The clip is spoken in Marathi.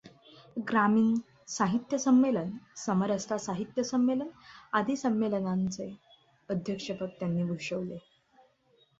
ग्रामीण साहित्य संमेलन, समरसता साहित्य संमेलन आदी संमेलनांचे अध्यक्षपद त्यांनी भूषवले.